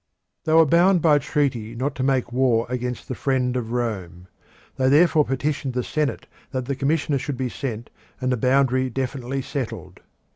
They were bound by treaty not to make war against the Friend of Rome. They therefore petitioned the Senate that commissioners should be sent and the boundary definitely settled.